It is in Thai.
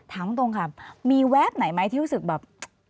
ถามตรงค่ะมีแวบไหนไหมที่รู้สึกแบบ